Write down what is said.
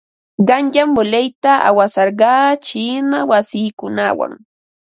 Qanyan voleyta awasarqaa chiina masiikunawan.